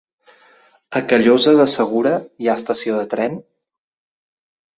A Callosa de Segura hi ha estació de tren?